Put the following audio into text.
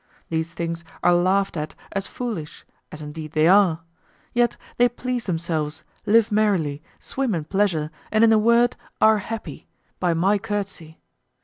These things are laughed at as foolish, as indeed they are; yet they please themselves, live merrily, swim in pleasure, and in a word are happy, by my courtesy.